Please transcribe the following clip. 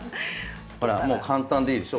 ほらもう簡単でいいでしょ。